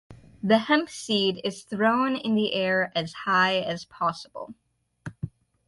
The hempseed is thrown in the air as high as possible.